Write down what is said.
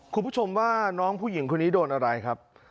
คุณผู้ชมว่าน้องผู้หญิงคนนี้โดนอะไรครับ